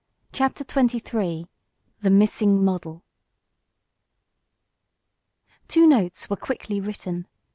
CHAPTER XXIII THE MISSING MODEL Two notes were quickly written.